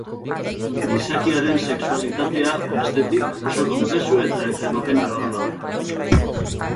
Gizakiaren sexualitatea, bestetik, oso konplexu eta heterogeneoa da.